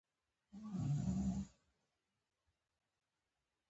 د شرکتونو مشرانو او دوکاندارانو.